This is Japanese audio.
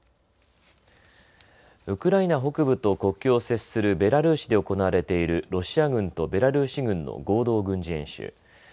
ウクライナ北部と国境を接するベラルーシで行われているロシア軍とベラルーシ軍の合同軍事演習。